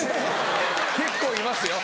結構いますよ。